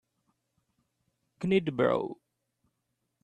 Knit brow